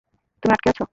তুমি আঁটকে আছো।